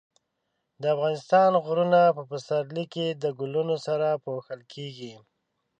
د افغانستان غرونه په پسرلي کې د ګلونو سره پوښل کېږي.